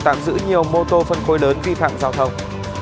tạm giữ nhiều mô tô phân khối lớn vi phạm giao thông